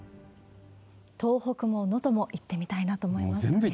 東北も能登も、行ってみたいなと思いますね。